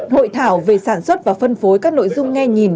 hội thảo về sản xuất và phân phối các nội dung nghe nhìn